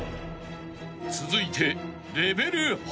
［続いて］